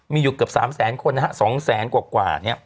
มีอยู่เกือบ๓แสนคน๒แสนกว่า